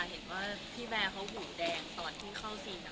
เห็นว่าพี่แมทเขาหูแดงตอนที่เข้าซีนกับเรา